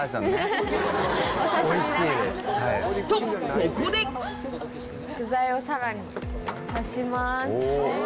おいしいです。とここで具材をさらに足します。